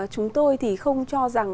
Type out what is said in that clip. chúng tôi thì không cho rằng